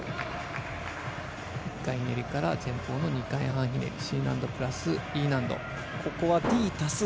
１回ひねりから前方の２回半ひねりＣ難度プラスＥ難度。